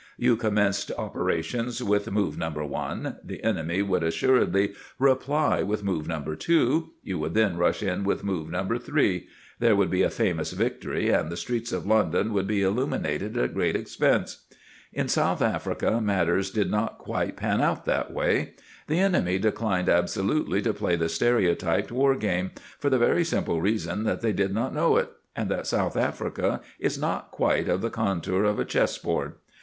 You commenced operations with move No. 1; the enemy would assuredly reply with move No. 2; you would then rush in with move No. 3; there would be a famous victory, and the streets of London would be illuminated at great expense. In South Africa matters did not quite pan out that way; the enemy declined absolutely to play the stereotyped war game, for the very simple reason that they did not know it, and that South Africa is not quite of the contour of a chess board.